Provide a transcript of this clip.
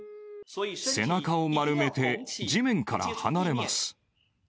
背中を丸めて地面から離れます。